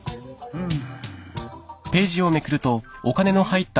うん。